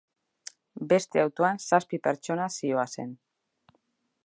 Beste autoan zazpi pertsona zihoazen.